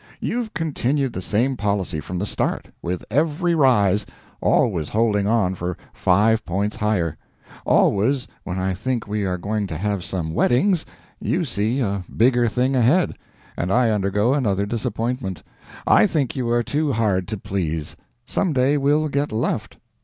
You've continued the same policy from the start: with every rise, always holding on for five points higher. Always when I think we are going to have some weddings, you see a bigger thing ahead, and I undergo another disappointment. I think you are too hard to please. Some day we'll get left.